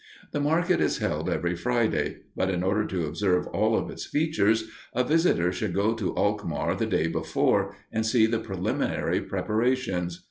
The market is held every Friday; but in order to observe all of its features, a visitor should go to Alkmaar the day before, and see the preliminary preparations.